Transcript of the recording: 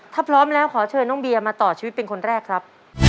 ถ้าพร้อมแล้วขอเชิญน้องเบียมาต่อชีวิตเป็นคนแรกครับ